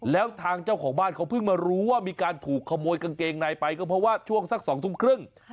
แล้วทางเจ้าของบ้านเขาเพิ่งมารู้ว่ามีการถูกขโมยกางเกงในไปก็เพราะว่าช่วงสัก๒ทุ่มครึ่ง